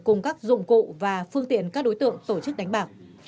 cùng các dụng cụ và phương tiện các đối tượng tổ chức đánh bạc